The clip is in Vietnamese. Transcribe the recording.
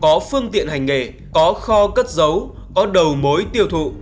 có phương tiện hành nghề có kho cất dấu có đầu mối tiêu thụ